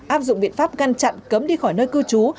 áp dụng biện pháp ngăn chặn cấm đi khỏi nơi cư trú